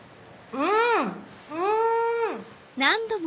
うん！